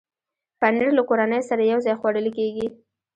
پنېر له کورنۍ سره یو ځای خوړل کېږي.